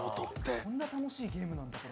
こんな楽しいゲームなんですね。